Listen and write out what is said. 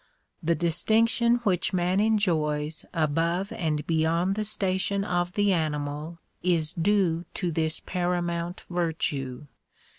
The distinction which man enjoys above and beyond the station of the animal is due to this paramount virtue.